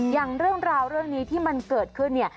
อย่างเรื่องราวเรื่องนี้ที่มันเกิดขึ้นเนี่ย